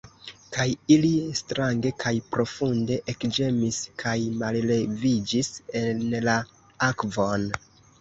Kaj ili strange kaj profunde ekĝemis kaj malleviĝis en la akvon.